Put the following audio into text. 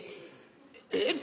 えっ？